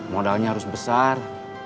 modalnya harus besar